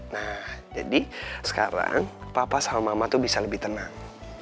nah jadi sekarang papa sama mama tuh bisa lebih tenang